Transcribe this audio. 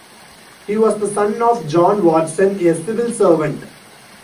He was the son of John Watson, a civil servant.